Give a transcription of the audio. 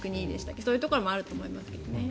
そういうところもあると思いますけどね。